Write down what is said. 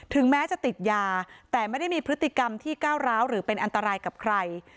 แม้จะติดยาแต่ไม่ได้มีพฤติกรรมที่ก้าวร้าวหรือเป็นอันตรายกับใคร